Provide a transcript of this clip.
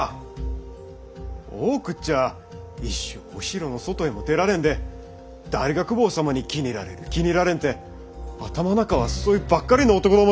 大奥っちゃあ一生お城の外へも出られんで誰が公方様に気に入られる気に入られんて頭ん中はそいばっかりの男どもたい！